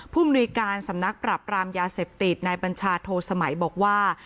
มนุยการสำนักปรับรามยาเสพติดนายบัญชาโทสมัยบอกว่า